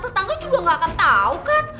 tetangga juga gak akan tahu kan